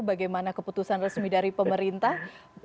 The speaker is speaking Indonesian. bagaimana keputusan resmi dari pemerintah